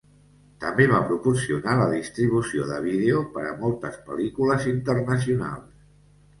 També va proporcionar la distribució de vídeo per a moltes pel·lícules internacionals.